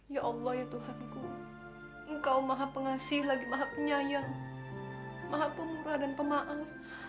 ya allah ya tuhanku engkau maha pengasih lagi maha penyayang maha pemurah dan pemaaf